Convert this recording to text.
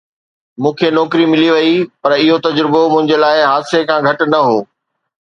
مون کي نوڪري ملي وئي پر اهو تجربو منهنجي لاءِ حادثي کان گهٽ نه هو.